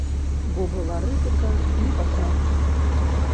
Бо была рызыка не патрапіць.